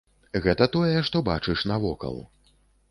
Гэта тое, што бачыш навокал.